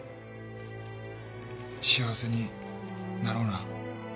幸せになろうな。